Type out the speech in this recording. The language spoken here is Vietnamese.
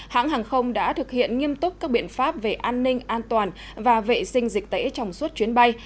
hãng hàng không đã thực hiện nghiêm túc các biện pháp về an ninh an toàn và vệ sinh dịch tễ trong suốt chuyến bay